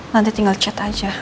nanti tinggal chat aja